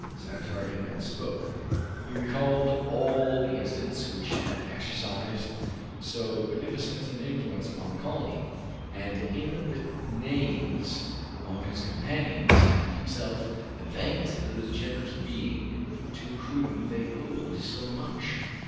Cyrus Harding then spoke; he recalled all the incidents which had exercised so beneficent an influence upon the colony, and in the names of his companions and himself thanked the generous being to whom they owed so much.